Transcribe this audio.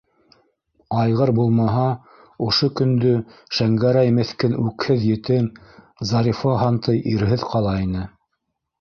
Айғыр булмаһа, ошо көндө Шәңгәрәй меҫкен үкһеҙ етем, Зарифа һантый ирһеҙ ҡала ине.